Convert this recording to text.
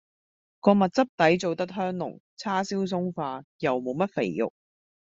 個蜜汁底做得香濃，叉燒鬆化，又無乜肥肉